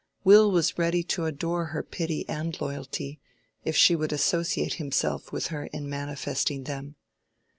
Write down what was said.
Will was ready to adore her pity and loyalty, if she would associate himself with her in manifesting them.